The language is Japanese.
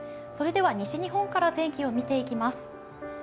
それでは西日本から天気を見ていきます。